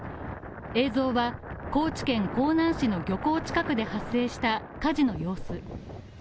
映像は高知県香南市の漁港近くで発生した火事の様子。